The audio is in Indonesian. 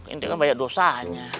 ente kan banyak dosanya